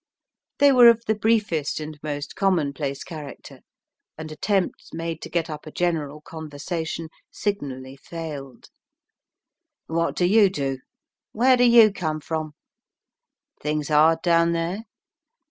They were of the briefest and most commonplace character, and attempts made to get up a general conversation signally failed. "What do you do?" "Where do you come from?" "Things hard down there?"